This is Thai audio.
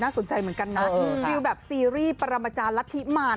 น่าสนใจเหมือนกันนะเออค่ะวิวแบบซีรีส์ประมาจารย์ละทิมาน